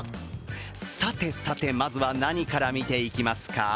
さてさて、まずは何から見ていきますか？